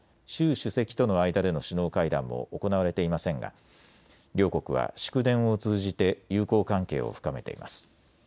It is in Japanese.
主席との間での首脳会談も行われていませんが両国は祝電を通じて友好関係を深めています。